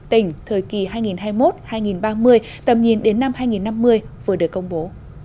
tỉnh thời kỳ hai nghìn hai mươi một hai nghìn ba mươi tầm nhìn đến năm hai nghìn năm mươi vừa được công bố